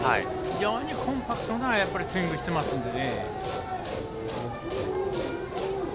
非常にコンパクトなスイングしていますので。